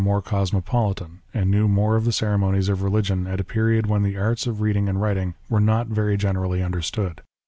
21 cosmopoiitan, and knew more of the ceremonies of religion at a period when the arts of reading and writing were not very generally understood.